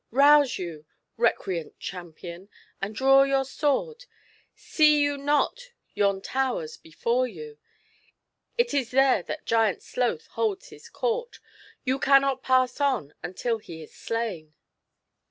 Rouse 3^ou, recreant champion, and draw your sword ; see you not yon towers before you ? It is there that Giant Sloth holds his court ; you cannot pass on until he is slain.